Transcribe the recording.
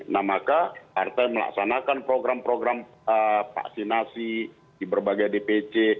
nah maka partai melaksanakan program program vaksinasi di berbagai dpc